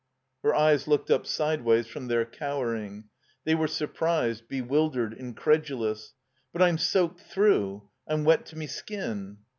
Her eyes looked up sideways from their cowering. They were surprised, bewildered, incredulous. "But I'm soaked through. I'm wet to me skin."